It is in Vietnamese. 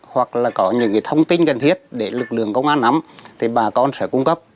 hoặc là có những thông tin cần thiết để lực lượng công an nắm thì bà con sẽ cung cấp